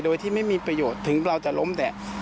โดยที่ไม่มีประโยชน์ถึงเราจะล้มแดด